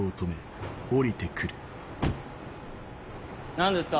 何ですか？